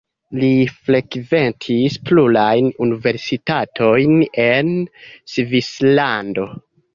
Li frekventis plurajn universitatojn en Svislando.